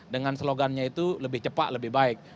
dengan slogannya itu lebih cepat lebih baik